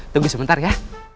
tunggu sebentar ya